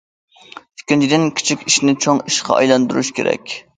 ئىككىنچىدىن، كىچىك ئىشنى چوڭ ئىشقا ئايلاندۇرۇشى كېرەك.